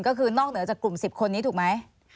ก็คือนอกเหนือจากกลุ่ม๑๐คนนี้ถูกไหม